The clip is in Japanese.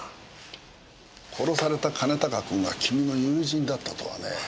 殺された兼高君が君の友人だったとはね。